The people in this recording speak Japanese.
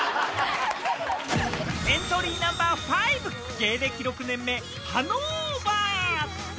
エントリーナンバー５、芸歴６年目、ハノーバー。